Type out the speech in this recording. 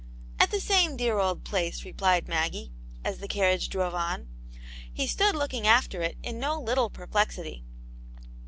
" "At the same dear old place, replied Maggie, as the carriage droye on. He stood looking after it in no little perplexity.